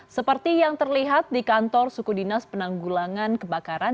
seperti yang terlihat di kantor suku dinas penanggulangan kebakaran